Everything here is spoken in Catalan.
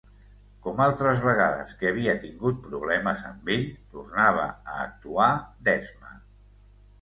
Com altres vegades que havia tingut problemes amb ell, tornava a actuar d'esma.